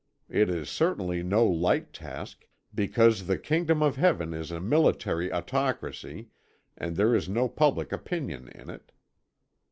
It is certainly no light task, because the Kingdom of Heaven is a military autocracy and there is no public opinion in it.